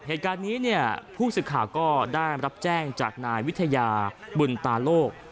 เหตุการณ์นี้เนี่ยผู้สื่อข่าวก็ได้รับแจ้งจากนายวิทยาบุญตาโลก